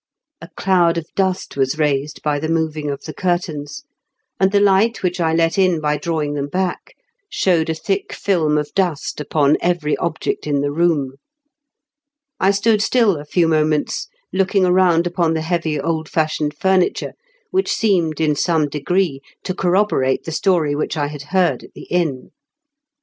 A cloud of dust was raised by the moving of the curtains, and the light which I let in by drawing them back showed a thick film of dust upon every object in the room. I stood still a few moments, looking around upon the heavy old fashioned furniture^ which seemed, in some degree, to corroborate the story which I had heard at the inn.